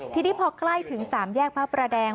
ทีนี้พอใกล้ถึง๓แยกพระประแดง